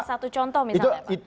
satu contoh misalnya pak